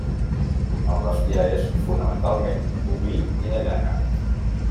El bestiar és, fonamentalment, boví i de llana.